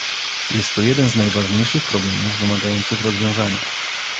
Jest to jeden z najważniejszych problemów wymagających rozwiązania